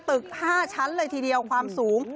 ตึก๕ชั้นเลยทีเดียวความสูง